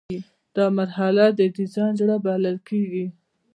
دا مرحله د ډیزاین زړه بلل کیږي.